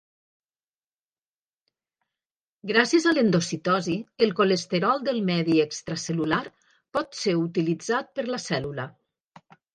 Gràcies a l'endocitosi, el colesterol del medi extracel·lular pot ser utilitzat per la cèl·lula.